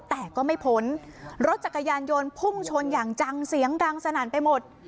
แต่ก็ไม่พ้นรถจักรยานยนต์พุ่งชนอย่างจังเสียงดังสนั่นไปหมด